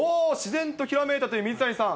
自然とひらめいたという水谷さん。